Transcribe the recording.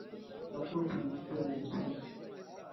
hali kwa ufupi tu hali ikoje sasa hivi